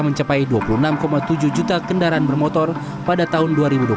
mencapai dua puluh enam tujuh juta kendaraan bermotor pada tahun dua ribu dua puluh satu